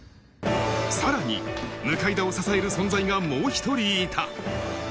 さらに、向田を支える存在がもう一人いた。